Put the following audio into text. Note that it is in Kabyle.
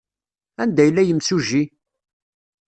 Anda yella yimsujji?